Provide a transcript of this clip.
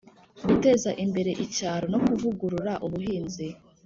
guteza imbere icyaro no kuvugurura ubuhinzi,